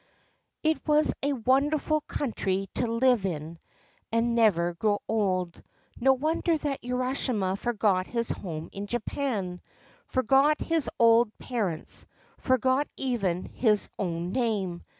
It was a wonderful country to live in and never grow old. No wonder that Urashima forgot his home in Japan, forgot his old parents, forgot even his own name.